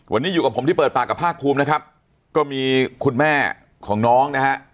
วันนี้อยู่กับผมที่เปิดปากกับภาคภูมินะครับก็มีคุณแม่ของน้องนะฮะ